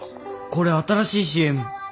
これ新しいＣＭ？